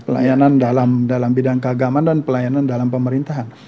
pelayanan dalam bidang keagaman dan pelayanan dalam pemerintahan